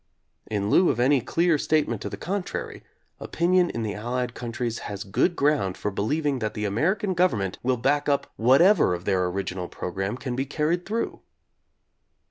In lieu of any clear statement to the contrary, opinion in the Allied countries has good ground for believing that the American government will back up whatever of their original programme can be carried through.